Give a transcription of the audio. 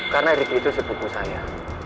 karena riki itu sepupu saya